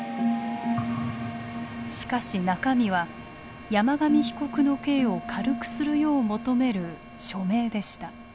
しかし中身は山上被告の刑を軽くするよう求める署名でした。